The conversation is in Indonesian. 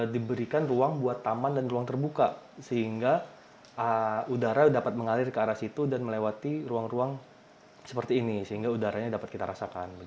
diberikan ruang buat taman dan ruang terbuka sehingga udara dapat mengalir ke arah situ dan melewati ruang ruang seperti ini sehingga udaranya dapat kita rasakan